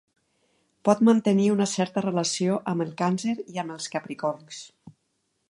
Pot mantenir una certa relació amb el càncer i amb els capricorns.